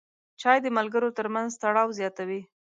چای د ملګرو ترمنځ تړاو زیاتوي.